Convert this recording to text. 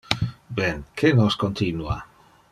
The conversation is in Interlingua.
Ben, que nos continua!